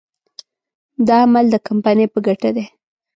دا عمل د کمپنۍ په ګټه دی.